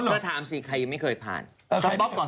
เธอถามสิไคยียฯไม่เคยผ่าน